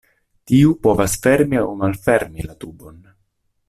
Tiu povas fermi aŭ malfermi la tubon.